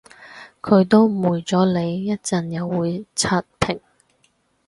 佢都誤會咗你，一陣又會刷屏